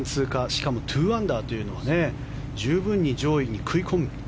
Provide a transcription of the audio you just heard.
しかも２アンダーというのは十分に上位に食い込む。